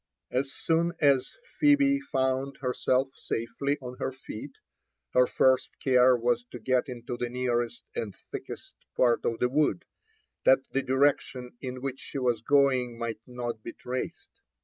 As soon as Phebe found herself safely on her feet, her first care was to get into the nearest and thickest part of the wood, that the direction in which she was going might not be traced.